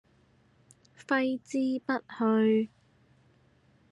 揮之不去